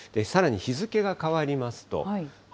さらに日付が変わりますと。